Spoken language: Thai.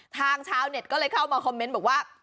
ชาวเน็ตก็เลยเข้ามาคอมเมนต์บอกว่า